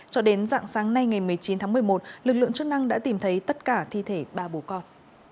cho đến dạng sáng nay ngày một mươi chín tháng một mươi một lực lượng chức năng đã tìm thấy tất cả thi thể ba bố con